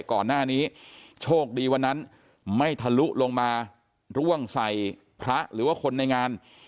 ก่อนหน้านี้โชคดีวันนั้นไม่ทะลุลงมาร่วงใส่พระหรือว่าคนในงาน